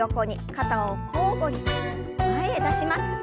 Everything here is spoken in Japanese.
肩を交互に前へ出します。